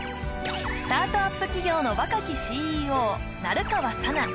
スタートアップ企業の若きＣＥＯ成川佐奈